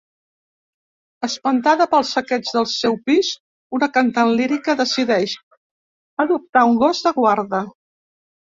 Espantada pel saqueig del seu pis, una cantant lírica decideix adoptar un gos de guarda.